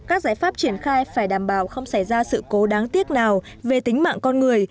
các giải pháp triển khai phải đảm bảo không xảy ra sự cố đáng tiếc nào về tính mạng con người